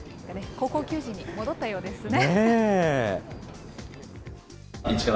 高校球児に戻ったようですね。